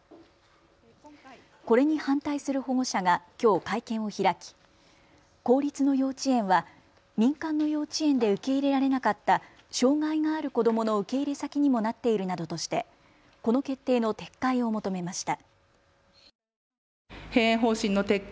これに反対する保護者がきょう会見を開き公立の幼稚園は民間の幼稚園で受け入れられなかった障害がある子どもの受け入れ先にもなっているなどとしてこの決定の撤回を求めました。